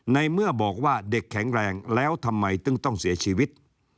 ในเมื่อบอกว่าเด็กแข็งแรงแล้วทำไมต้องเสียชีวิต